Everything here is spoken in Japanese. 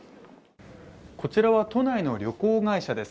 こちらは都内の旅行会社です